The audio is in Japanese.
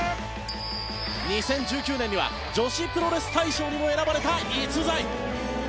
２０１９年には女子プロレス大賞にも選ばれた逸材。